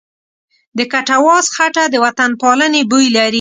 د کټواز خټه د وطنپالنې بوی لري.